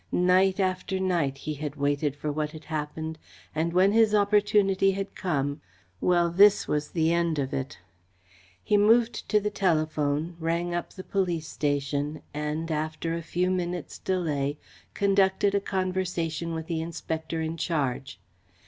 Night after night he had waited for what had happened, and when his opportunity had come well, this was the end of it! He moved to the telephone, rang up the police station and, after a few minutes' delay, conducted a conversation with the inspector in charge.